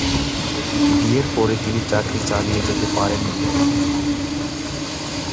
বিয়ের পরে তিনি চাকরি চালিয়ে যেতে পারেননি।